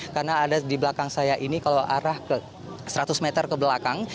karena ada di belakang saya ini kalau arah seratus meter ke belakang